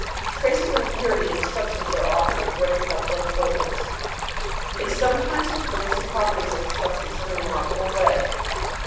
Traces of impurity in a substance are often of great practical im portance ; they sometimes influence the properties of the substance in a remarkable way.